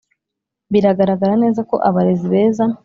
Biragaragara neza ko abarezi beza